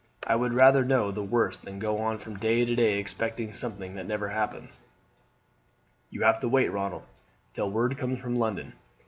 I would rather know the worst than go on from day to day expecting something that never happens." "You have to wait, Ronald, till word comes from London.